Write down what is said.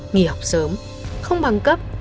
nghỉ học sớm không bằng cấp